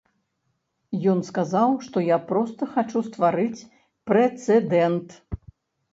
Ён сказаў, што я проста хачу стварыць прэцэдэнт.